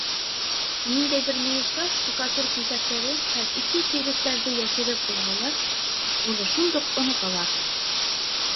Ниндәйҙер мөйөшкә штукатур киҫәктәрен һәм иҫке кирбестәрҙе йәшереп ҡуйһалар, уны шундуҡ оноталар.